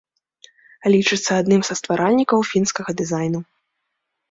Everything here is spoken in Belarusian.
Лічыцца адным са стваральнікаў фінскага дызайну.